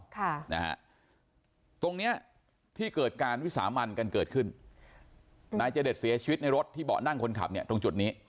ค่ะนะฮะตรงเนี้ยที่เกิดการวิสามันกันเกิดขึ้นนายเจดเสียชีวิตในรถที่เบาะนั่งคนขับเนี่ยตรงจุดนี้